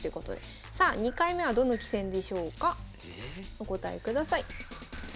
お答えください。